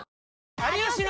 有吉の！